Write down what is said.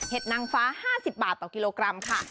นางฟ้า๕๐บาทต่อกิโลกรัมค่ะ